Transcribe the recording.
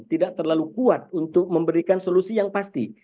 tidak terlalu kuat untuk memberikan solusi yang pasti